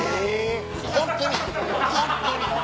ホントにホントに。